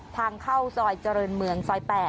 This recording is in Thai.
ทางเข้าซอยเจริญเมืองซอย๘